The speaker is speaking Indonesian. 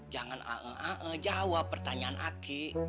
jangan ange ange jawab pertanyaan aki